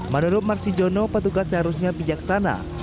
menurut marsi jono petugas seharusnya bijaksana